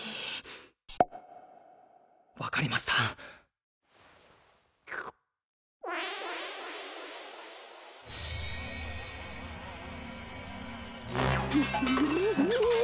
分かりましたうう